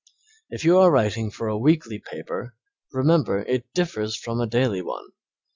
If you are writing for a weekly paper remember it differs from a daily one.